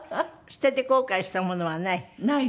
捨てて後悔したものはない？